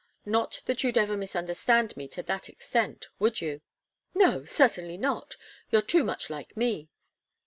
Not that you'd ever misunderstand me to that extent. Would you?" "No. Certainly not. You're too much like me."